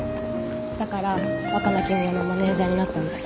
だから若菜絹代のマネジャーになったんです。